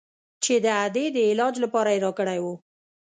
چې د ادې د علاج لپاره يې راكړى و.